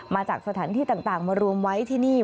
มาจากสถานที่ต่างมารวมไว้ที่นี่